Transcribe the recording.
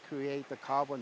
produk tanpa karbon